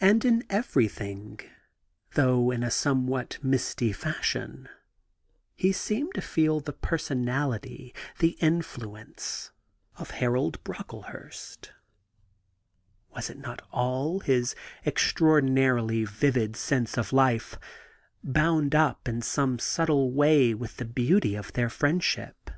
And in ever3i;hing, though in a somewhat misty fashion, he seemed to feel the personality, the influence, of Harold Brocklehurst. Was it not all — his extra ordinarily vivid sense of life — bound up in some subtle way with the beauty of their friendship?